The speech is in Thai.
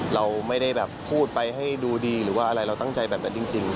เราไม่ได้แบบพูดไปให้ดูดีหรือว่าอะไรเราตั้งใจแบบนั้นจริง